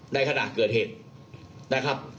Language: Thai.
ในขณะเกิดเหตุนะครับ